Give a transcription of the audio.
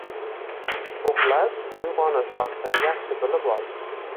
Uxlash, uyg‘onish vaqtini yaxshi bilib ol!